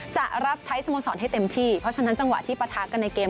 จะรับใช้สโมสรให้เต็มที่เพราะฉะนั้นจังหวะที่ปะทะกันในเกม